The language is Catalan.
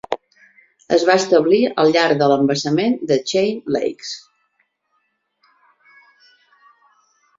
Es va establir al llarg de l'embassament de Chain Lakes.